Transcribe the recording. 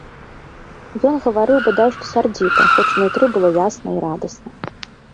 Ён гаварыў бадай што сярдзіта, хоць унутры было ясна і радасна.